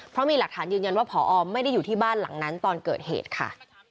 เพราะมีหลักฐานยืนยันว่าพอไม่ได้อยู่ที่บ้านหลังนั้นตอนเกิดเหตุค่ะ